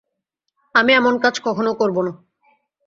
আমি এমন কাজ কখনো করব না।